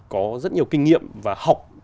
có rất nhiều kinh nghiệm và học